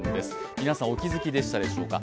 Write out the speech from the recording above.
皆さん、お気づきでしたでしょうか。